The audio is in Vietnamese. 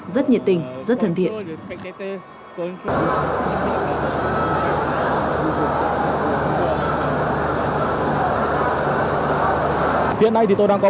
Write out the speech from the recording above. rất nhiệt tình